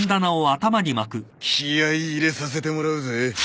気合入れさせてもらうぜ。